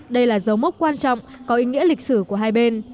đây là dấu mốc quan trọng có ý nghĩa lịch sử của hai bên